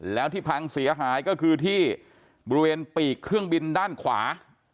แล้วที่พังเสียหายก็คือที่บริเวณปีกเครื่องบินด้านขวา